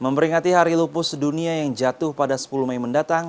memperingati hari lupus sedunia yang jatuh pada sepuluh mei mendatang